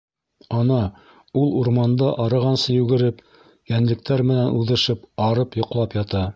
Ана, ул урманда арығансы йүгереп, йәнлектәр менән уҙышып, арып йоҡлап ята.